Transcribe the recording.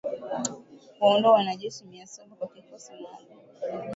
kuwaondoa wanajeshi mia saba wa kikosi maalum